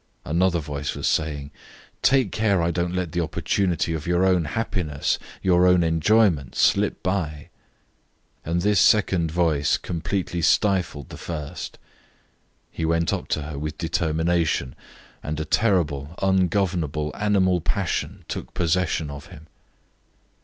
Another voice was saying, "Take care I don't let the opportunity for your own happiness, your own enjoyment, slip by!" And this second voice completely stifled the first. He went up to her with determination and a terrible, ungovernable animal passion took possession of him.